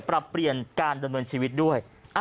ปรับเปลี่ยนการดำเนินชีวิตด้วย